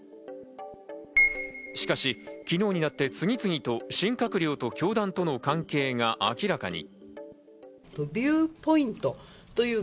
しかし、昨日になって次々と新閣僚と教団との関係が明らかに。